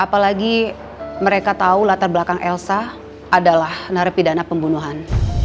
apalagi mereka tahu latar belakang elsa adalah narapidana pembunuhan